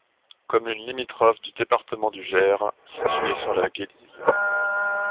Commune limitrophe du département du Gers située sur la Gélise.